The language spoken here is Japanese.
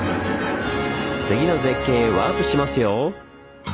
次の絶景へワープしますよ！